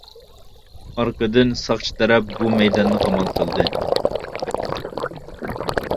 ئارقىدىن ساقچى تەرەپ بۇ مەيداننى قامال قىلدى.